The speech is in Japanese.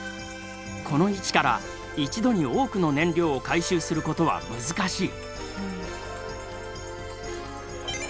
この位置から一度に多くの燃料を回収することは難しい。